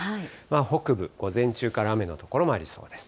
北部、午前中から雨の所もありそうです。